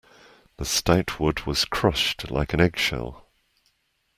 The stout wood was crushed like an eggshell.